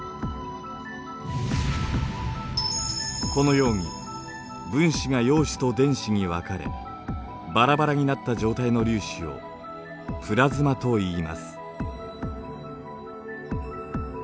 このように分子が陽子と電子に分かれバラバラになった状態の粒子をプラズマといいます。